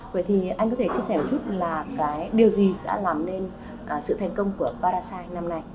vậy thì anh có thể chia sẻ một chút là cái điều gì đã làm nên sự thành công của parasite năm nay